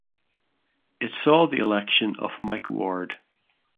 It saw the election of Mike Ward.